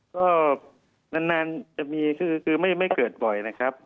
ก็นานจะมีคือไม่เกิดบ่อยนะครับ